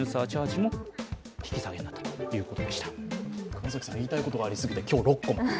熊崎さん、言いたいことがありすぎて、今日６コマ。